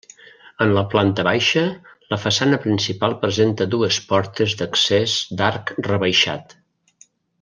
En la planta baixa, la façana principal presenta dues portes d'accés d'arc rebaixat.